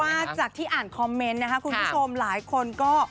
ว่าจากที่อ่านคอมเมนต์นะคะคุณผู้ชมหลายคนก็